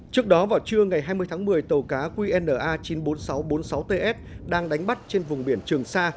trước đó vào trưa ngày hai mươi tháng một mươi tàu cá qna chín mươi bốn nghìn sáu trăm bốn mươi sáu ts đang đánh bắt trên vùng biển trường sa